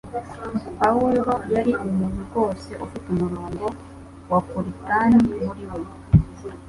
Pawulo yari umuntu rwose ufite umurongo wa puritani muri we